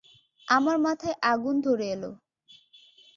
আমার মাথায় আগুন ধরে এল।